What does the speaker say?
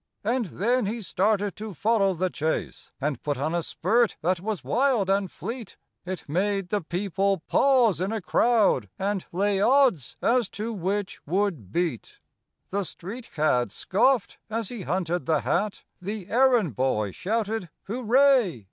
And then he started to follow the chase, And put on a spurt that was wild and fleet, It made the people pause in a crowd, And lay odds as to which would beat. The street cad scoffed as he hunted the hat, The errand boy shouted hooray!